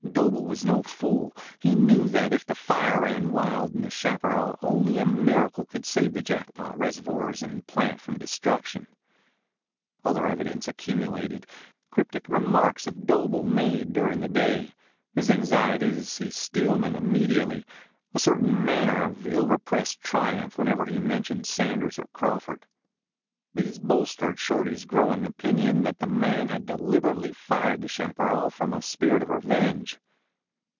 Doble was no fool. He knew that if the fire ran wild in the chaparral only a miracle could save the Jackpot reservoirs and plant from destruction. Other evidence accumulated. Cryptic remarks of Doble made during the day. His anxiety to see Steelman immediately. A certain manner of ill repressed triumph whenever he mentioned Sanders or Crawford. These bolstered Shorty's growing opinion that the man had deliberately fired the chaparral from a spirit of revenge.